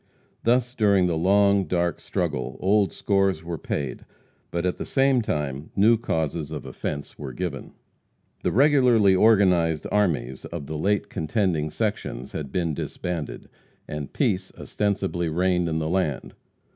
Thus, during the long, dark struggle, old scores were paid, but at the same time new causes of offense were given. The regularly organized armies of the late contending sections had been disbanded, and peace ostensibly reigned in the land.